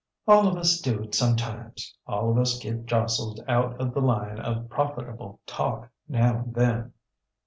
ŌĆÖ ŌĆ£All of us do it sometimes. All of us get jostled out of the line of profitable talk now and then.